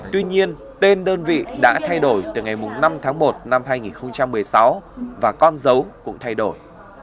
tuy nhiên tên đơn vị đã thay đổi từ ngày năm tháng một năm hai nghìn một mươi sáu và con dấu cũng thay đổi